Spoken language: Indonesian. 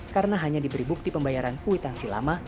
karena hanya diberi bukti pembayaran kuitansi lama